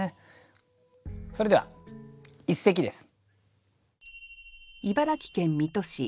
それでは一席です。